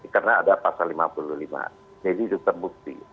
karena ada pasal lima puluh lima jadi itu terbukti